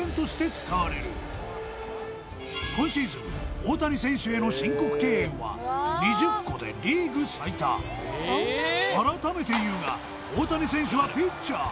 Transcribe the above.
大谷選手への申告敬遠は２０個でリーグ最多改めて言うが大谷選手はピッチャー